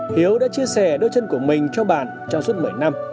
hiếu đã chia sẻ đôi chân của mình cho bạn trong suốt một mươi năm